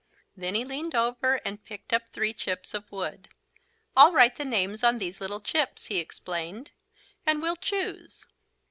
Then he leaned over and picked up three chips of wood. "I'll write the names on these little chips," he explained, "and we'll choose."